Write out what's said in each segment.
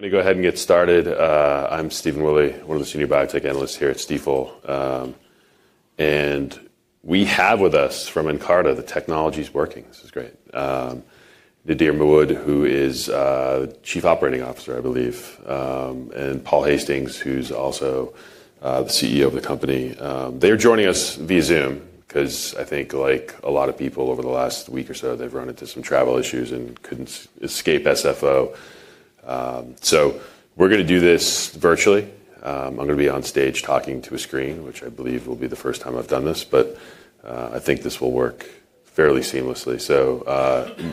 Let me go ahead and get started. I'm Stephen Willie, one of the Senior Biotech Analysts here at Stifel. And we have with us from Nkarta the technology's working. This is great. Nadir Mahmood, who is Chief Operating Officer, I believe, and Paul Hastings, who's also the CEO of the company. They're joining us via Zoom because I think, like a lot of people over the last week or so, they've run into some travel issues and could not escape SFO. We are going to do this virtually. I'm going to be on stage talking to a screen, which I believe will be the first time I've done this. I think this will work fairly seamlessly.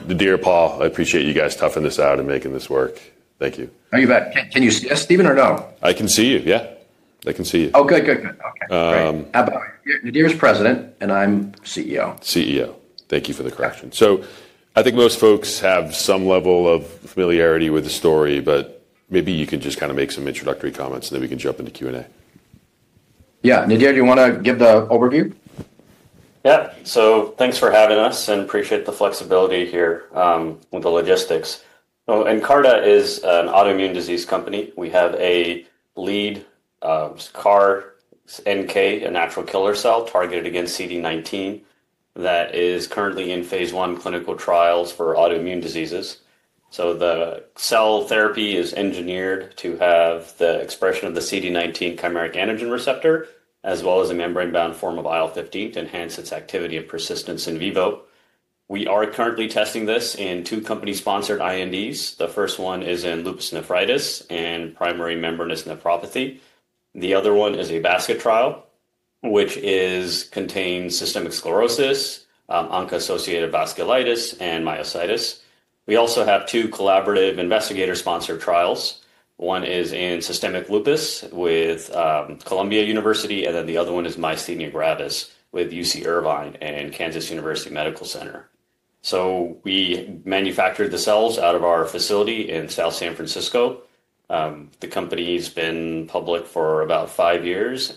Nadir and Paul, I appreciate you guys toughing this out and making this work. Thank you. How are you back? Can you see us, Stephen, or no? I can see you, yeah. I can see you. Oh, good, good, good. OK, great. Nadir is President, and I'm CEO. Thank you for the correction. I think most folks have some level of familiarity with the story. Maybe you can just kind of make some introductory comments, and then we can jump into Q&A. Yeah. Nadir, do you want to give the overview? Yeah. Thanks for having us, and appreciate the flexibility here with the logistics. Nkarta is an autoimmune disease company. We have a lead CAR-NK, a natural killer cell, targeted against CD19 that is currently in phase I clinical trials for autoimmune diseases. The cell therapy is engineered to have the expression of the CD19 chimeric antigen receptor, as well as a membrane-bound form of IL-15 to enhance its activity of persistence in vivo. We are currently testing this in two company-sponsored INDs. The first one is in lupus nephritis and primary membranous nephropathy. The other one is a basket trial, which contains systemic sclerosis, ANCA-associated vasculitis, and myositis. We also have two collaborative investigator-sponsored trials. One is in systemic lupus with Columbia University, and then the other one is myasthenia gravis with UC Irvine and Kansas University Medical Center. We manufactured the cells out of our facility in South San Francisco. The company's been public for about five years.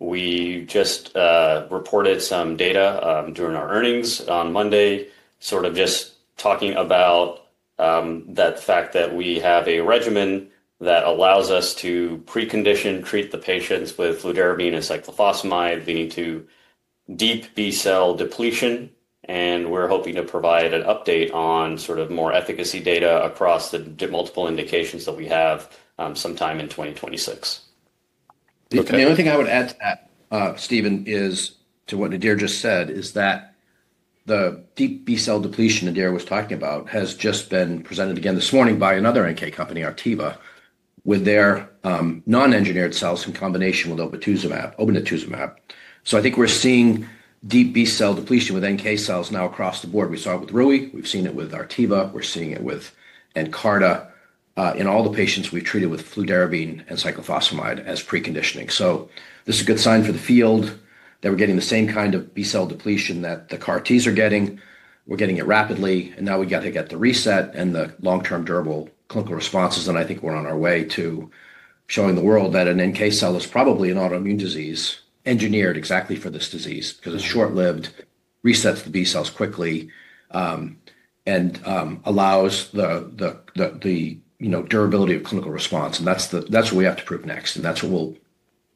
We just reported some data during our earnings on Monday, sort of just talking about the fact that we have a regimen that allows us to precondition treat the patients with fludarabine and cyclophosphamide leading to deep B-cell depletion. We're hoping to provide an update on sort of more efficacy data across the multiple indications that we have sometime in 2026. The only thing I would add to that, Stephen, is to what Nadir just said, is that the deep B-cell depletion Nadir was talking about has just been presented again this morning by another NK company, Artiva, with their non-engineered cells in combination with obinutuzumab. So I think we're seeing deep B-cell depletion with NK cells now across the board. We saw it with Rui, we've seen it with Artiva, we're seeing it with Nkarta in all the patients we've treated with fludarabine and cyclophosphamide as preconditioning. This is a good sign for the field that we're getting the same kind of B-cell depletion that the CAR-Ts are getting. We're getting it rapidly. Now we've got to get the reset and the long-term durable clinical responses. I think we're on our way to showing the world that an NK cell is probably an autoimmune disease engineered exactly for this disease because it's short-lived, resets the B-cells quickly, and allows the durability of clinical response. That's what we have to prove next. That's what we'll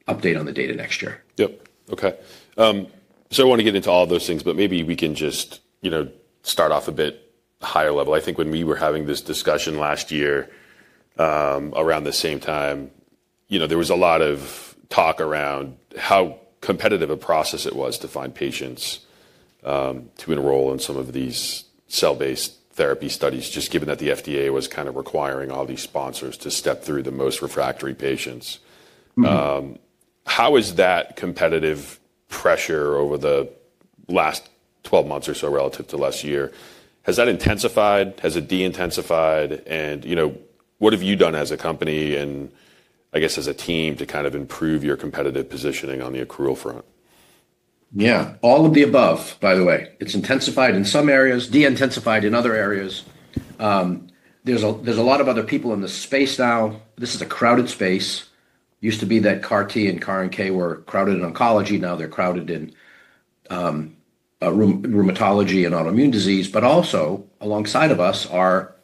update on the data next year. Yep. OK. I want to get into all those things. Maybe we can just start off a bit higher level. I think when we were having this discussion last year around the same time, there was a lot of talk around how competitive a process it was to find patients to enroll in some of these cell-based therapy studies, just given that the FDA was kind of requiring all these sponsors to step through the most refractory patients. How is that competitive pressure over the last 12 months or so relative to last year? Has that intensified? Has it de-intensified? What have you done as a company and, I guess, as a team to kind of improve your competitive positioning on the accrual front? Yeah. All of the above, by the way. It's intensified in some areas, de-intensified in other areas. There's a lot of other people in the space now. This is a crowded space. It used to be that CAR-T and CAR-NK were crowded in oncology. Now they're crowded in rheumatology and autoimmune disease. Also, alongside of us are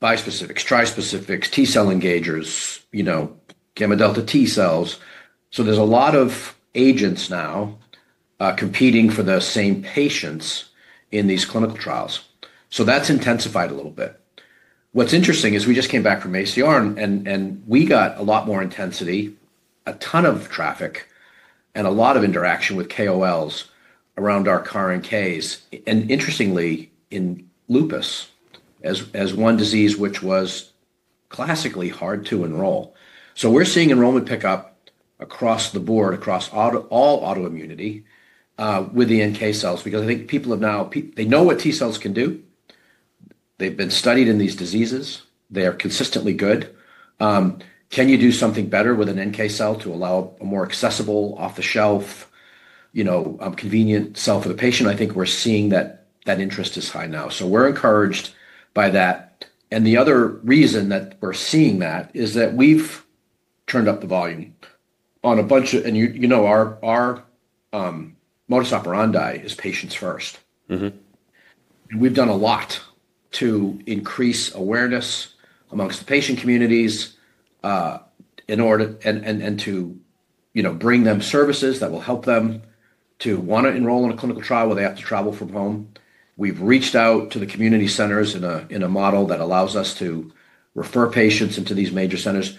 bispecifics, trispecifics, T-cell engagers, gamma delta T cells. There's a lot of agents now competing for the same patients in these clinical trials. That's intensified a little bit. What's interesting is we just came back from ACR, and we got a lot more intensity, a ton of traffic, and a lot of interaction with KOLs around our CAR-NKs, and interestingly, in lupus as one disease which was classically hard to enroll. We're seeing enrollment pickup across the board, across all autoimmunity, with the NK cells because I think people have now they know what T cells can do. They've been studied in these diseases. They are consistently good. Can you do something better with an NK cell to allow a more accessible, off-the-shelf, convenient cell for the patient? I think we're seeing that that interest is high now. We're encouraged by that. The other reason that we're seeing that is that we've turned up the volume on a bunch of and you know our modus operandi is patients first. We've done a lot to increase awareness amongst the patient communities and to bring them services that will help them to want to enroll in a clinical trial where they have to travel from home. We've reached out to the community centers in a model that allows us to refer patients into these major centers.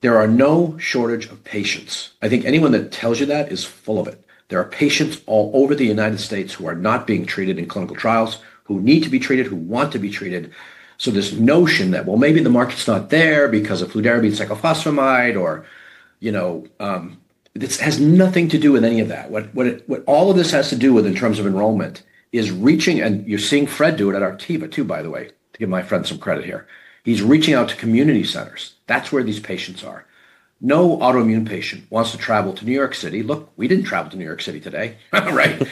There are no shortage of patients. I think anyone that tells you that is full of it. There are patients all over the United States who are not being treated in clinical trials, who need to be treated, who want to be treated. This notion that, well, maybe the market's not there because of fludarabine and cyclophosphamide, or this has nothing to do with any of that. What all of this has to do with in terms of enrollment is reaching, and you're seeing Fred do it at Artiva too, by the way, to give my friend some credit here. He's reaching out to community centers. That's where these patients are. No autoimmune patient wants to travel to New York City. Look, we didn't travel to New York City today. Right?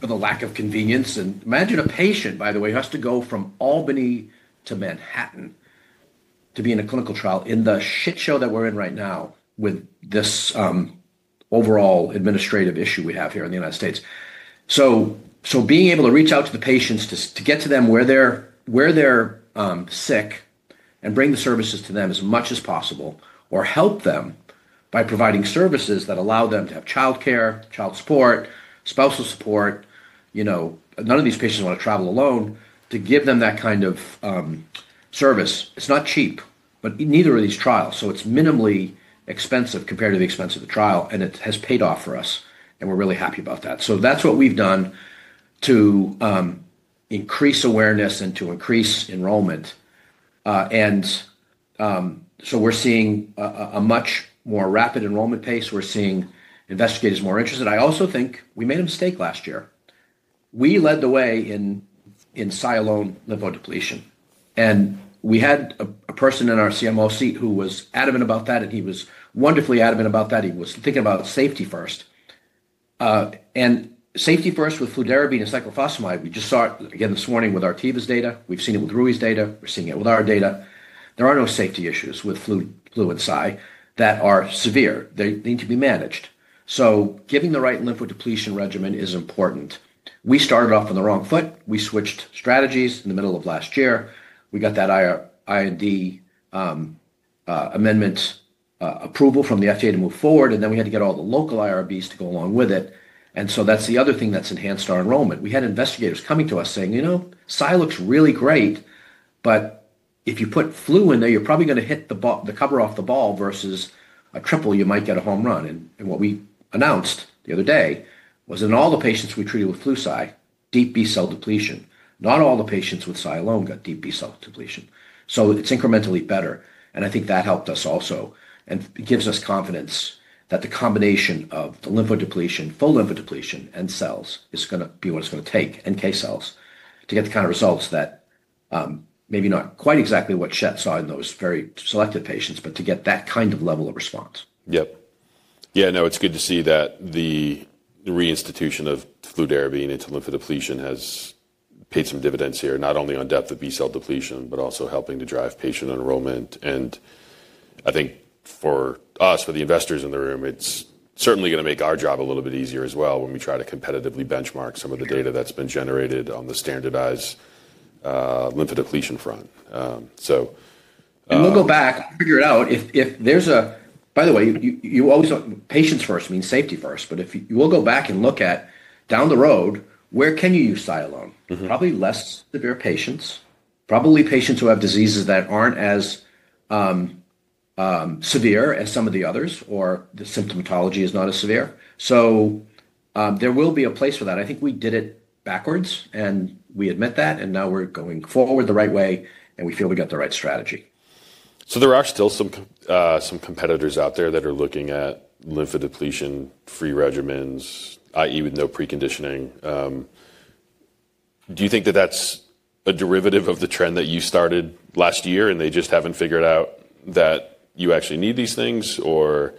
For the lack of convenience, and imagine a patient, by the way, who has to go from Albany to Manhattan to be in a clinical trial in the shit show that we're in right now with this overall administrative issue we have here in the United States. Being able to reach out to the patients, to get to them where they're sick, and bring the services to them as much as possible, or help them by providing services that allow them to have child care, child support, spousal support. None of these patients want to travel alone to give them that kind of service. It's not cheap, but neither are these trials. It's minimally expensive compared to the expense of the trial. It has paid off for us. We're really happy about that. That's what we've done to increase awareness and to increase enrollment. We're seeing a much more rapid enrollment pace. We're seeing investigators more interested. I also think we made a mistake last year. We led the way in [silone] lipo depletion. We had a person in our CMO seat who was adamant about that. He was wonderfully adamant about that. He was thinking about safety first. Safety first with fludarabine and cyclophosphamide, we just saw it again this morning with Artiva's data. We've seen it with Rui's data. We're seeing it with our data. There are no safety issues with flu and cy that are severe. They need to be managed. Giving the right lymphodepletion regimen is important. We started off on the wrong foot. We switched strategies in the middle of last year. We got that IND amendment approval from the FDA to move forward. We had to get all the local IRBs to go along with it. That is the other thing that has enhanced our enrollment. We had investigators coming to us saying, you know, cy looks really great. If you put flu in there, you are probably going to hit the cover off the ball versus a triple you might get a home run. What we announced the other day was in all the patients we treated with Flu/Cy, deep B-cell depletion. Not all the patients with [silone] got deep B-cell depletion. It is incrementally better. I think that helped us also. It gives us confidence that the combination of the lymphodepletion, full lymphodepletion, and cells is going to be what it's going to take, NK cells, to get the kind of results that maybe not quite exactly what Schett saw in those very selective patients, but to get that kind of level of response. Yep. Yeah, no, it's good to see that the reinstitution of fludarabine into lymphodepletion has paid some dividends here, not only on depth of B-cell depletion, but also helping to drive patient enrollment. I think for us, for the investors in the room, it's certainly going to make our job a little bit easier as well when we try to competitively benchmark some of the data that's been generated on the standardized lymphodepletion front. We'll go back and figure it out. By the way, patients first means safety first. If you go back and look down the road, where can you use silone? Probably less severe patients, probably patients who have diseases that are not as severe as some of the others, or the symptomatology is not as severe. There will be a place for that. I think we did it backwards. We admit that. Now we are going forward the right way. We feel we have the right strategy. There are still some competitors out there that are looking at lymphodepletion-free regimens, i.e., with no preconditioning. Do you think that that's a derivative of the trend that you started last year and they just haven't figured out that you actually need these things? Or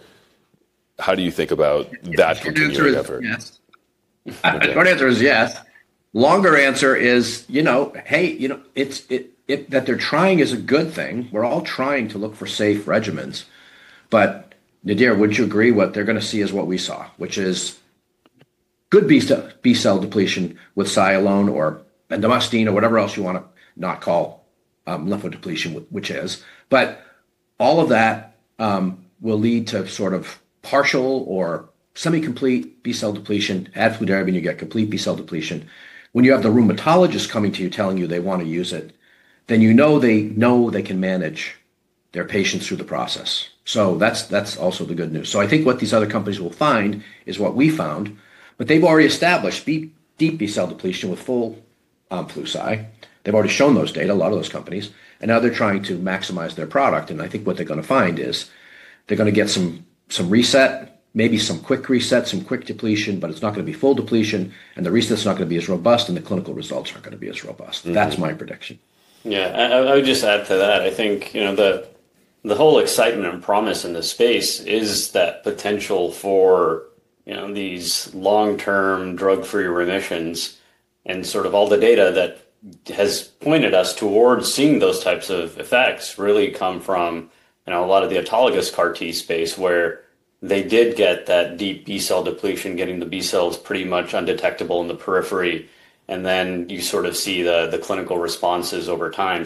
how do you think about that continuing effort? The short answer is yes. Longer answer is, you know, hey, that they're trying is a good thing. We're all trying to look for safe regimens. But Nadir, wouldn't you agree what they're going to see is what we saw, which is good B-cell depletion with cyclophosphamide or bendamustine or whatever else you want to not call lymphodepletion, which is. But all of that will lead to sort of partial or semi-complete B-cell depletion. Add fludarabine, you get complete B-cell depletion. When you have the rheumatologist coming to you telling you they want to use it, then you know they know they can manage their patients through the process. So that's also the good news. I think what these other companies will find is what we found. But they've already established deep B-cell depletion with full Flu/Cy. They've already shown those data, a lot of those companies. They are trying to maximize their product. I think what they are going to find is they are going to get some reset, maybe some quick reset, some quick depletion. It is not going to be full depletion. The reset is not going to be as robust. The clinical results are not going to be as robust. That is my prediction. Yeah. I would just add to that. I think the whole excitement and promise in this space is that potential for these long-term drug-free remissions and sort of all the data that has pointed us towards seeing those types of effects really come from a lot of the autologous CAR-T space, where they did get that deep B-cell depletion, getting the B-cells pretty much undetectable in the periphery. You sort of see the clinical responses over time.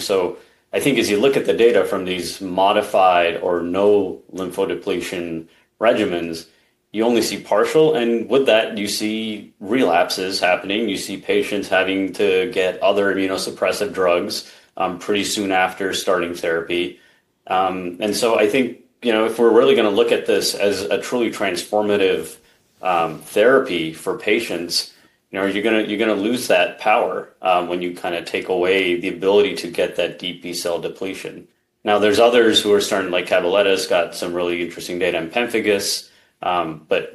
I think as you look at the data from these modified or no lymphodepletion regimens, you only see partial. With that, you see relapses happening. You see patients having to get other immunosuppressive drugs pretty soon after starting therapy. I think if we're really going to look at this as a truly transformative therapy for patients, you're going to lose that power when you kind of take away the ability to get that deep B-cell depletion. Now, there's others who are starting, like Kyverna, got some really interesting data in pemphigus.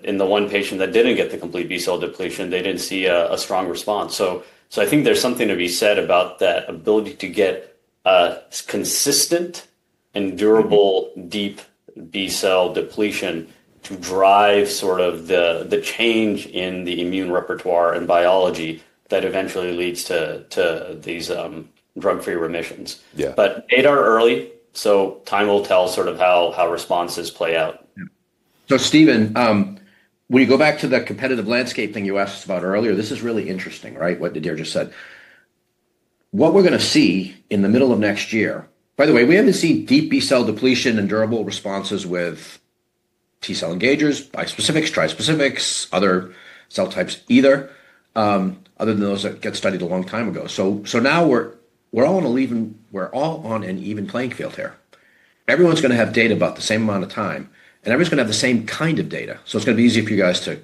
In the one patient that didn't get the complete B-cell depletion, they didn't see a strong response. I think there's something to be said about that ability to get consistent and durable deep B-cell depletion to drive sort of the change in the immune repertoire and biology that eventually leads to these drug-free remissions. They are early. Time will tell sort of how responses play out. Stephen, when you go back to the competitive landscape thing you asked about earlier, this is really interesting, right, what Nadir just said. What we're going to see in the middle of next year by the way, we haven't seen deep B-cell depletion and durable responses with T-cell engagers, bispecifics, trispecifics, other cell types either, other than those that get studied a long time ago. Now we're all on an even playing field here. Everyone's going to have data about the same amount of time. Everyone's going to have the same kind of data. It's going to be easy for you guys to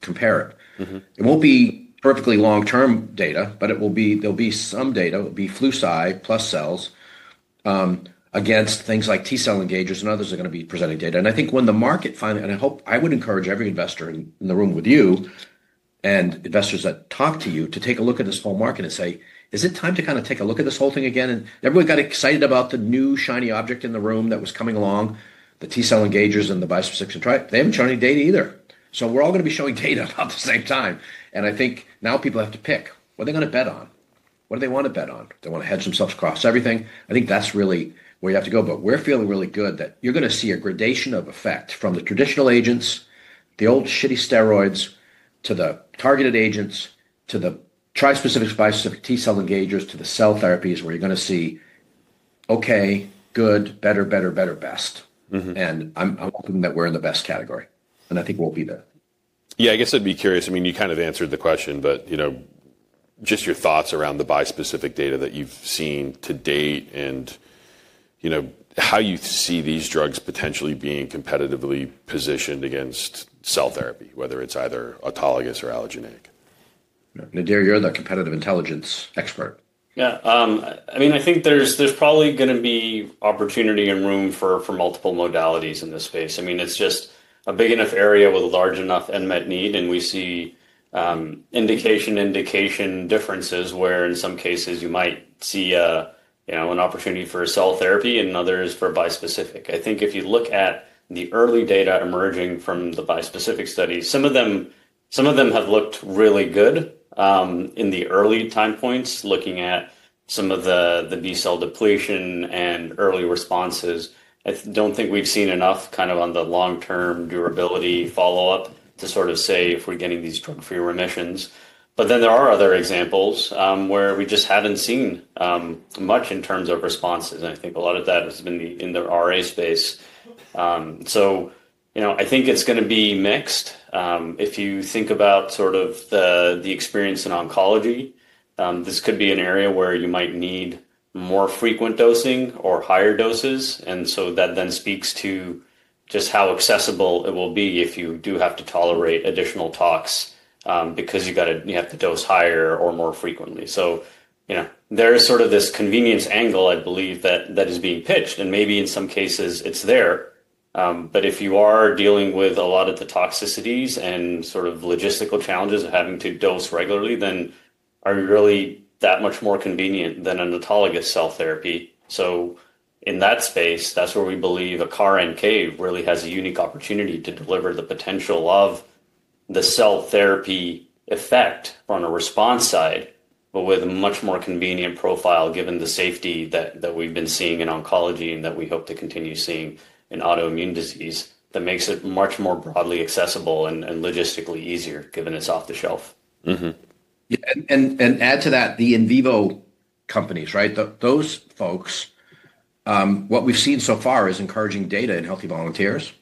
compare it. It won't be perfectly long-term data. There'll be some data. It'll be flu cy plus cells against things like T-cell engagers and others that are going to be presenting data. I think when the market finally, and I hope, I would encourage every investor in the room with you and investors that talk to you to take a look at this whole market and say, is it time to kind of take a look at this whole thing again? Everybody got excited about the new shiny object in the room that was coming along, the T-cell engagers and the bispecifics and trips. They have not shown any data either. We are all going to be showing data about the same time. I think now people have to pick. What are they going to bet on? What do they want to bet on? They want to hedge themselves across everything. I think that is really where you have to go. We're feeling really good that you're going to see a gradation of effect from the traditional agents, the old shitty steroids, to the targeted agents, to the trispecifics, bispecifics, T-cell engagers, to the cell therapies where you're going to see, OK, good, better, better, better, best. I'm hoping that we're in the best category. I think we'll be there. Yeah, I guess I'd be curious. I mean, you kind of answered the question. Just your thoughts around the bispecific data that you've seen to date and how you see these drugs potentially being competitively positioned against cell therapy, whether it's either autologous or allogeneic. Nadir, you're the competitive intelligence expert. Yeah. I mean, I think there's probably going to be opportunity and room for multiple modalities in this space. I mean, it's just a big enough area with a large enough unmet need. We see indication-indication differences where in some cases you might see an opportunity for a cell therapy and others for bispecific. I think if you look at the early data emerging from the bispecific studies, some of them have looked really good in the early time points looking at some of the B-cell depletion and early responses. I don't think we've seen enough kind of on the long-term durability follow-up to sort of say if we're getting these drug-free remissions. There are other examples where we just haven't seen much in terms of responses. I think a lot of that has been in the RA space. I think it's going to be mixed. If you think about sort of the experience in oncology, this could be an area where you might need more frequent dosing or higher doses. That then speaks to just how accessible it will be if you do have to tolerate additional tox because you have to dose higher or more frequently. There is sort of this convenience angle, I believe, that is being pitched. Maybe in some cases it's there. If you are dealing with a lot of the toxicities and sort of logistical challenges of having to dose regularly, then are you really that much more convenient than an autologous cell therapy? In that space, that's where we believe a CAR-NK really has a unique opportunity to deliver the potential of the cell therapy effect on a response side, but with a much more convenient profile given the safety that we've been seeing in oncology and that we hope to continue seeing in autoimmune disease that makes it much more broadly accessible and logistically easier given it's off the shelf. Add to that the in vivo companies, right? Those folks, what we've seen so far is encouraging data in healthy volunteers.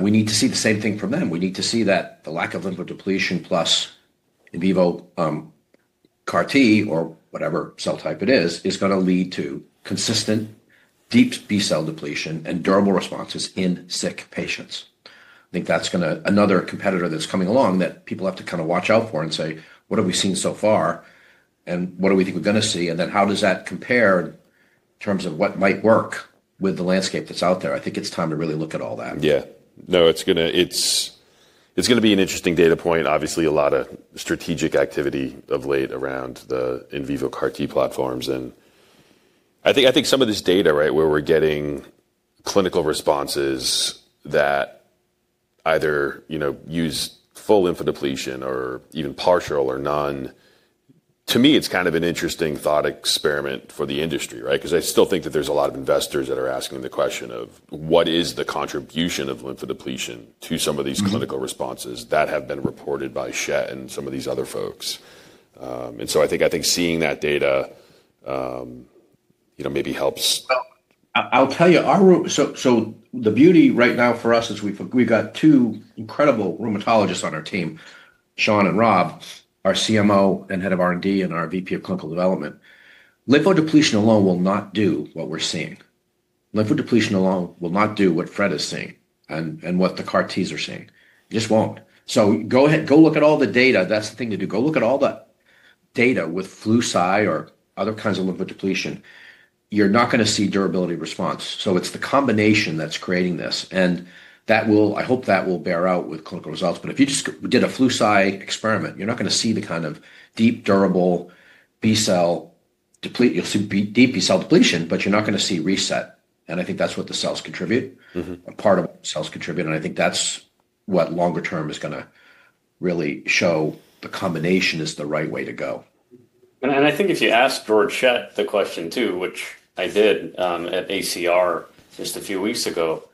We need to see the same thing from them. We need to see that the lack of lymphodepletion plus in vivo CAR-T or whatever cell type it is, is going to lead to consistent deep B-cell depletion and durable responses in sick patients. I think that's going to be another competitor that's coming along that people have to kind of watch out for and say, what have we seen so far? And what do we think we're going to see? Then how does that compare in terms of what might work with the landscape that's out there? I think it's time to really look at all that. Yeah. No, it's going to be an interesting data point. Obviously, a lot of strategic activity of late around the in vivo CAR-T platforms. I think some of this data, right, where we're getting clinical responses that either use full lymphodepletion or even partial or none, to me, it's kind of an interesting thought experiment for the industry, right? I still think that there's a lot of investors that are asking the question of what is the contribution of lymphodepletion to some of these clinical responses that have been reported by Schett and some of these other folks. I think seeing that data maybe helps. I'll tell you, the beauty right now for us is we've got two incredible rheumatologists on our team, Shawn and Rob, our CMO and Head of R&D and our VP of Clinical Development. Lymphodepletion alone will not do what we're seeing. Lymphodepletion alone will not do what Fred is seeing and what the CAR-Ts are seeing. It just won't. Go look at all the data. That's the thing to do. Go look at all the data with Flu/Cy or other kinds of lymphodepletion. You're not going to see durability response. It's the combination that's creating this. I hope that will bear out with clinical results. If you just did a Flu/Cy experiment, you're not going to see the kind of deep, durable B-cell depletion. You'll see deep B-cell depletion, but you're not going to see reset. I think that's what the cells contribute, a part of what the cells contribute. I think that's what longer term is going to really show, the combination is the right way to go. I think if you asked Georg Schett the question too, which I did at ACR just a few weeks ago,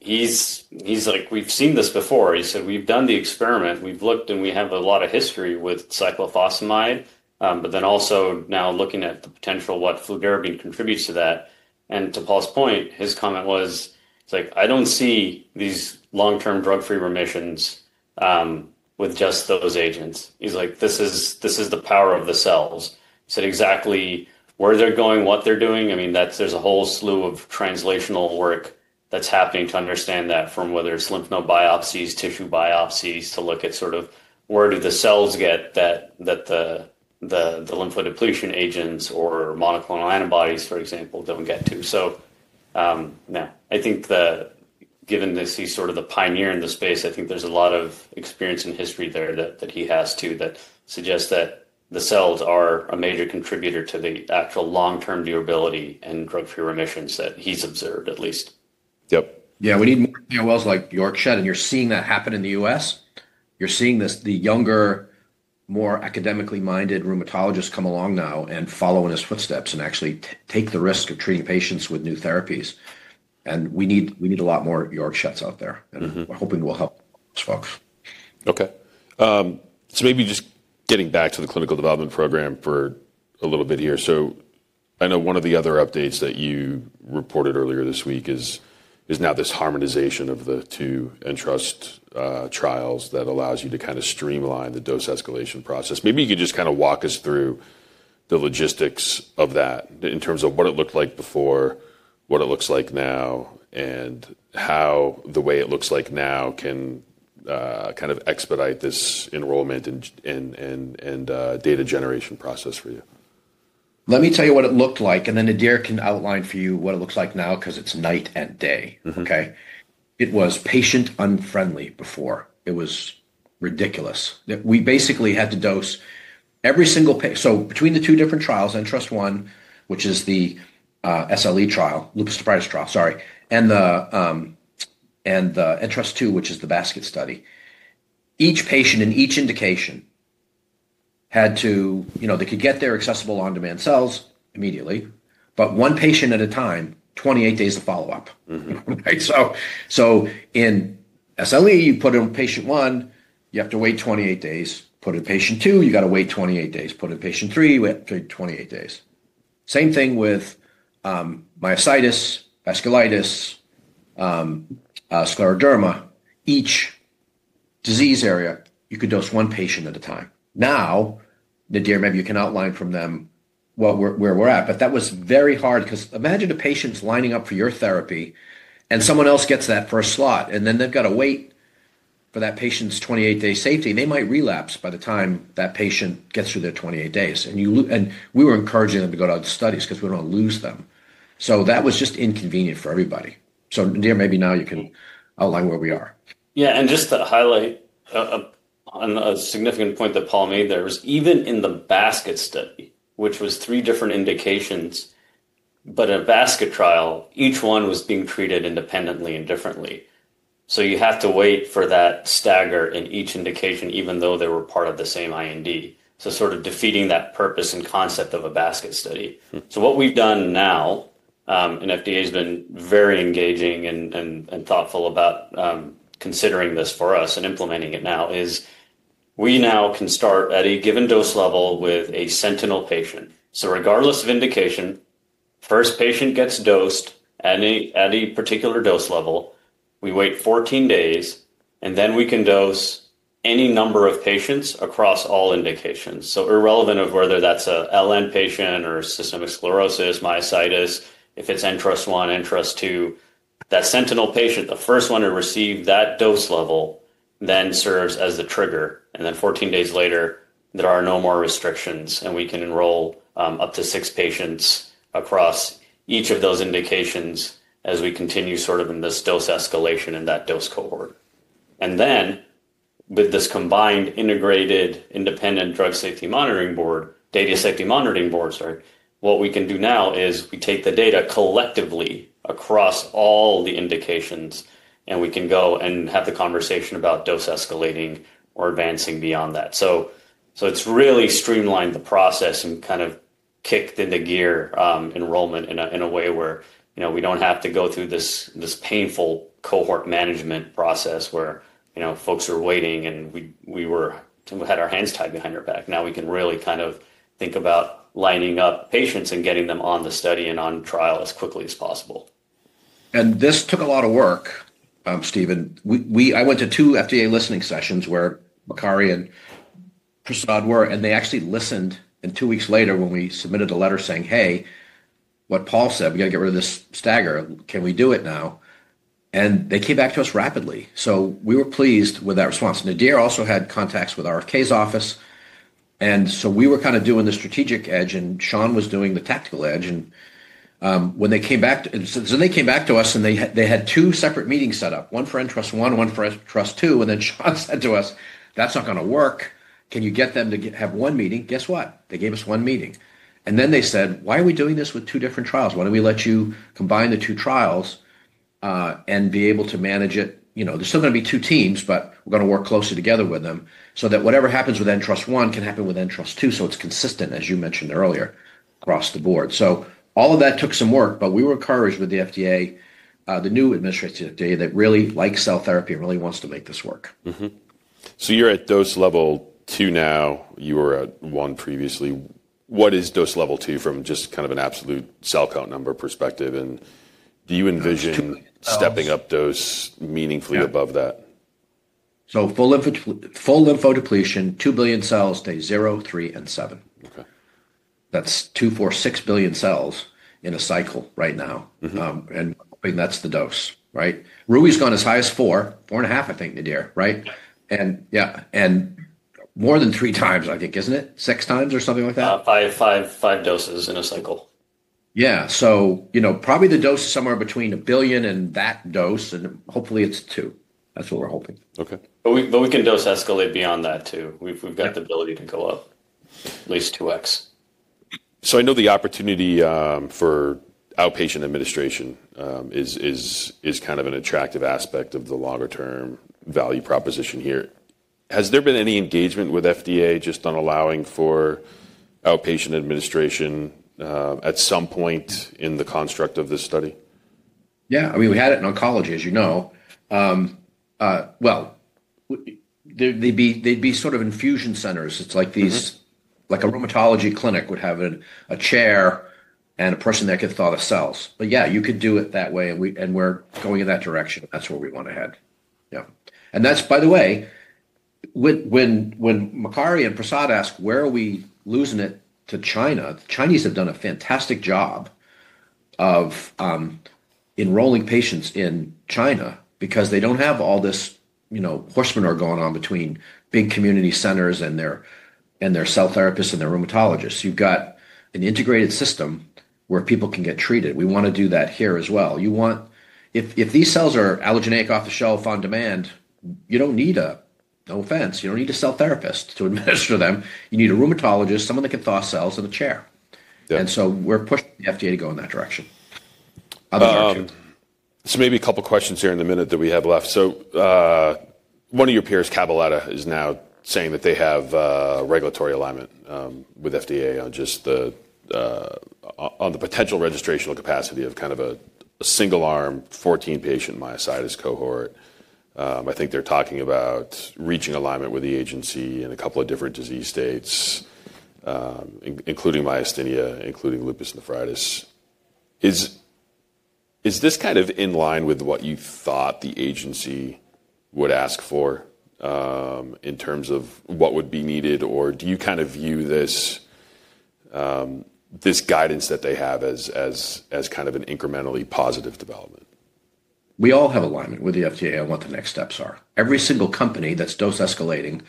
he's like, we've seen this before. He said, we've done the experiment. We've looked. We have a lot of history with cyclophosphamide. Also now looking at the potential what fludarabine contributes to that. To Paul's point, his comment was, he's like, I don't see these long-term drug-free remissions with just those agents. He's like, this is the power of the cells. He said exactly where they're going, what they're doing. I mean, there's a whole slew of translational work that's happening to understand that from whether it's lymph node biopsies, tissue biopsies, to look at sort of where do the cells get that the lymphodepletion agents or monoclonal antibodies, for example, don't get to. I think given that he's sort of the pioneer in the space, I think there's a lot of experience and history there that he has too that suggests that the cells are a major contributor to the actual long-term durability and drug-free remissions that he's observed, at least. Yep. Yeah, we need more KOLs like Georg Schett. You're seeing that happen in the U.S. You're seeing the younger, more academically minded rheumatologists come along now and follow in his footsteps and actually take the risk of treating patients with new therapies. We need a lot more Georg Schetts out there. We're hoping we'll help those folks. OK. Maybe just getting back to the clinical development program for a little bit here. I know one of the other updates that you reported earlier this week is now this harmonization of the two Ntrust trials that allows you to kind of streamline the dose escalation process. Maybe you could just kind of walk us through the logistics of that in terms of what it looked like before, what it looks like now, and how the way it looks like now can kind of expedite this enrollment and data generation process for you. Let me tell you what it looked like. Nadir can outline for you what it looks like now because it's night and day. OK? It was patient-unfriendly before. It was ridiculous. We basically had to dose every single patient. Between the two different trials, Ntrust-1, which is the SLE trial, lupus nephritis trial, sorry, and the Ntrust-2, which is the basket study, each patient in each indication had to, they could get their accessible on-demand cells immediately. One patient at a time, 28 days of follow-up. In SLE, you put in patient one, you have to wait 28 days. Put in patient two, you've got to wait 28 days. Put in patient three, you have to wait 28 days. Same thing with myositis, vasculitis, scleroderma. Each disease area, you could dose one patient at a time. Now, Nadir, maybe you can outline from them where we're at. That was very hard because imagine a patient's lining up for your therapy and someone else gets that first slot. Then they've got to wait for that patient's 28-day safety. They might relapse by the time that patient gets through their 28 days. We were encouraging them to go to other studies because we don't want to lose them. That was just inconvenient for everybody. Nadir, maybe now you can outline where we are. Yeah. And just to highlight a significant point that Paul made there, even in the basket study, which was three different indications, but in a basket trial, each one was being treated independently and differently. You have to wait for that stagger in each indication even though they were part of the same IND, so sort of defeating that purpose and concept of a basket study. What we have done now, and FDA has been very engaging and thoughtful about considering this for us and implementing it now, is we now can start at a given dose level with a sentinel patient. Regardless of indication, first patient gets dosed at a particular dose level. We wait 14 days. Then we can dose any number of patients across all indications. Irrelevant of whether that's an LN patient or systemic sclerosis, myositis, if it's Ntrust-1, Ntrust-2, that sentinel patient, the first one to receive that dose level, then serves as the trigger. Fourteen days later, there are no more restrictions. We can enroll up to six patients across each of those indications as we continue sort of in this dose escalation and that dose cohort. With this combined integrated independent drug safety monitoring board, data safety monitoring board, what we can do now is we take the data collectively across all the indications. We can go and have the conversation about dose escalating or advancing beyond that. It has really streamlined the process and kind of kicked into gear enrollment in a way where we do not have to go through this painful cohort management process where folks are waiting. We had our hands tied behind our back. Now we can really kind of think about lining up patients and getting them on the study and on trial as quickly as possible. This took a lot of work, Stephen. I went to two FDA listening sessions where Makary and Prasad were. They actually listened. Two weeks later when we submitted a letter saying, hey, what Paul said, we've got to get rid of this stagger. Can we do it now? They came back to us rapidly. We were pleased with that response. Nadir also had contacts with RFK's office. We were kind of doing the strategic edge. Shawn was doing the tactical edge. They came back to us. They had two separate meetings set up, one for Ntrust-1, one for Ntrust-2. Shawn said to us, that's not going to work. Can you get them to have one meeting? Guess what? They gave us one meeting. They said, why are we doing this with two different trials? Why don't we let you combine the two trials and be able to manage it? There are still going to be two teams. We are going to work closely together with them so that whatever happens with Ntrust-1 can happen with Ntrust-2 so it is consistent, as you mentioned earlier, across the board. All of that took some work. We were encouraged with the FDA, the new administrative FDA, that really likes cell therapy and really wants to make this work. You're at dose level 2 now. You were at 1 previously. What is dose level 2 from just kind of an absolute cell count number perspective? Do you envision stepping up dose meaningfully above that? Full lymphodepletion, 2 billion cells days 0, 3, and 7. OK. That's 2.46 billion cells in a cycle right now. That's the dose, right? Rui's gone as high as 4, 4.5, I think, Nadir, right? Yeah, and more than 3x, I think, isn't it? Six times or something like that? Five doses in a cycle. Yeah. So probably the dose is somewhere between a billion and that dose. Hopefully, it's two. That's what we're hoping. OK. We can dose escalate beyond that too. We've got the ability to go up at least 2x. I know the opportunity for outpatient administration is kind of an attractive aspect of the longer term value proposition here. Has there been any engagement with FDA just on allowing for outpatient administration at some point in the construct of this study? Yeah. I mean, we had it in oncology, as you know. They'd be sort of infusion centers. It's like a rheumatology clinic would have a chair and a person that could thaw the cells. Yeah, you could do it that way. We're going in that direction. That's where we want to head. Yeah. That's, by the way, when Makary and Prasad asked, where are we losing it to China, the Chinese have done a fantastic job of enrolling patients in China because they don't have all this horse manure going on between big community centers and their cell therapists and their rheumatologists. You've got an integrated system where people can get treated. We want to do that here as well. If these cells are allogeneic off the shelf on demand, you don't need a, no offense, you don't need a cell therapist to administer them. You need a rheumatologist, someone that can thaw cells in a chair. We are pushing the FDA to go in that direction. Maybe a couple of questions here in the minute that we have left. One of your peers, Kyverna, is now saying that they have regulatory alignment with FDA on the potential registrational capacity of kind of a single arm, 14-patient myositis cohort. I think they're talking about reaching alignment with the agency in a couple of different disease states, including myasthenia, including lupus nephritis. Is this kind of in line with what you thought the agency would ask for in terms of what would be needed? Or do you kind of view this guidance that they have as kind of an incrementally positive development? We all have alignment with the FDA on what the next steps are. Every single company that's dose escalating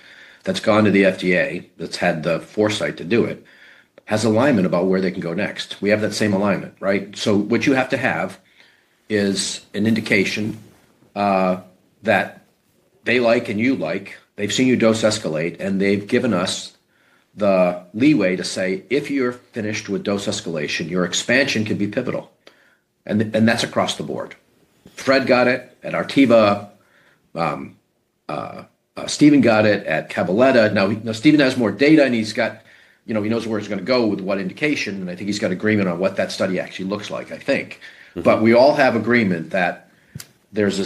that's gone to the FDA, that's had the foresight to do it, has alignment about where they can go next. We have that same alignment, right? What you have to have is an indication that they like and you like. They've seen you dose escalate. They've given us the leeway to say, if you're finished with dose escalation, your expansion could be pivotal. That's across the board. Fred got it at Artiva. Stephen got it at Kyverna. Now, Stephen has more data. He knows where he's going to go with what indication. I think he's got agreement on what that study actually looks like, I think. We all have agreement that there's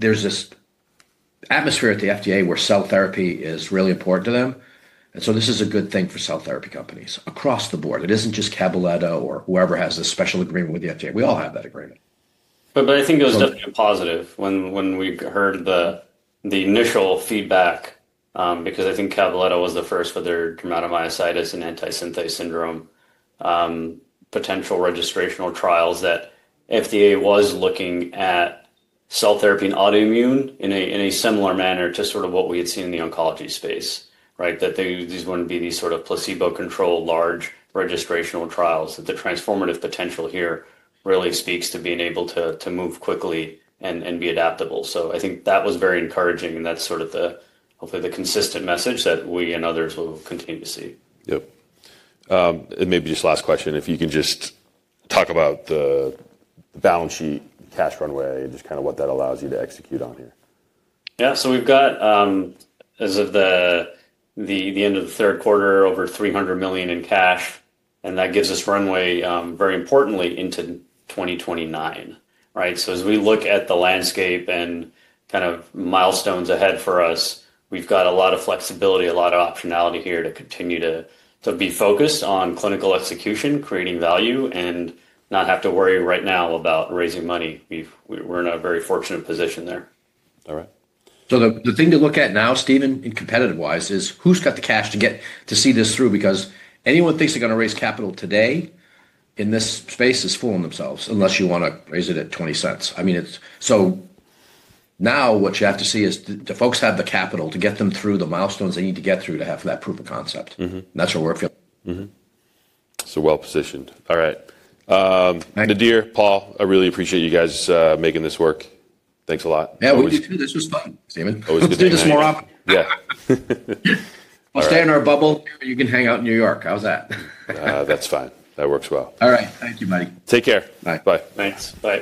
this atmosphere at the FDA where cell therapy is really important to them. This is a good thing for cell therapy companies across the board. It isn't just Kyverna or whoever has a special agreement with the FDA. We all have that agreement. I think it was definitely a positive when we heard the initial feedback because I think Kyverna was the first with their dermatomyositis and antisynthetase syndrome potential registrational trials that FDA was looking at cell therapy and autoimmune in a similar manner to sort of what we had seen in the oncology space, right, that these would not be these sort of placebo-controlled large registrational trials, that the transformative potential here really speaks to being able to move quickly and be adaptable. I think that was very encouraging. That is sort of the, hopefully, the consistent message that we and others will continue to see. Yep. Maybe just last question, if you can just talk about the balance sheet, cash runway, and just kind of what that allows you to execute on here. Yeah. So we've got, as of the end of the third quarter, over $300 million in cash. That gives us runway, very importantly, into 2029, right? As we look at the landscape and kind of milestones ahead for us, we've got a lot of flexibility, a lot of optionality here to continue to be focused on clinical execution, creating value, and not have to worry right now about raising money. We're in a very fortunate position there. All right. The thing to look at now, Stephen, competitive-wise, is who's got the cash to see this through? Because anyone who thinks they're going to raise capital today in this space is fooling themselves unless you want to raise it at $0.20. I mean, now what you have to see is the folks have the capital to get them through the milestones they need to get through to have that proof of concept. And that's where we're feeling. All right. Nadir, Paul, I really appreciate you guys making this work. Thanks a lot. Yeah, we do too. This was fun, Stephen. Always good to have you. Let's do this more often. Yeah. I'll stay in our bubble. You can hang out in New York. How's that? That's fine. That works well. All right. Thank you, buddy. Take care. Bye. Bye. Thanks. Bye.